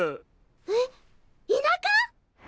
えっ田舎！？